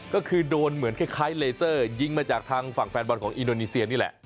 ก็คือโดนเหมือนคล้ายเลเซอร์ยิงมาจากทางฝั่งแฟนบอลของอินโดนีเซียนี่แหละ